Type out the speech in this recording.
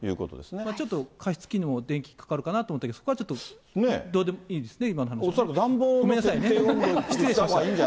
ちょっと加湿器の電気代かかるかなと思ったけど、そこはちょっとどうでもいいですね、恐らく暖房の設定温度を。